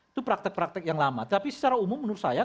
itu praktek praktek yang lama tapi secara umum menurut saya